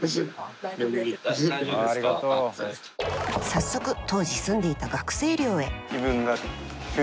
早速当時住んでいた学生寮へ。